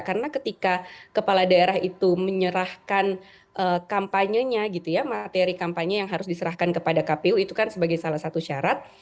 karena ketika kepala daerah itu menyerahkan kampanyenya gitu ya materi kampanye yang harus diserahkan kepada kpu itu kan sebagai salah satu syarat